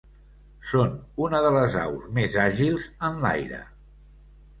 Són una de les aus més àgils en l'aire.